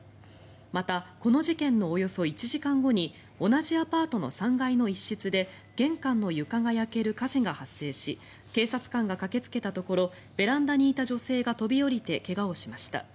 またこの事件のおよそ１時間後に同じアパートの３階の一室で玄関の床が焼ける火事が発生し警察官が駆けつけたところベランダにいた女性が飛び降りて怪我をしました。